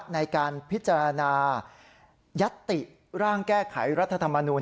ในการพิจารณายัตติร่างแก้ไขรัฐธรรมนูล